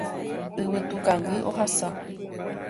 Yvytukangy ohasa